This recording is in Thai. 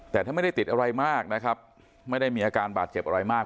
แต่ถ้าไม่ได้ติดอะไรมากนะครับไม่ได้มีอาการบาดเจ็บอะไรมาก